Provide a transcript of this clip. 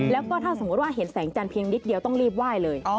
แล้วก็ถ้าสมมุติว่าเห็นแสงจันทร์เพียงนิดเดียวต้องรีบไหว้เลย